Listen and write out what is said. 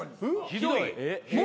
ひどい？